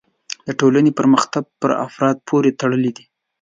د ټولنې پرمختګ په افرادو پورې تړلی دی.